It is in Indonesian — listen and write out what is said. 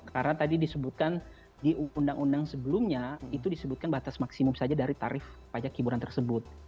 karena tadi disebutkan di undang undang sebelumnya itu disebutkan batas maksimum saja dari tarif pajak hiburan tersebut